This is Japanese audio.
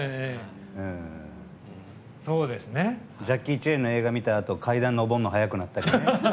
ジャッキー・チェンの映画見たあと、階段上るの速くなったりね。